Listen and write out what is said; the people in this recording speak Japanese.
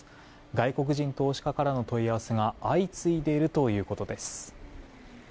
外国人投資家からの問い合わせが相次いでいるということです。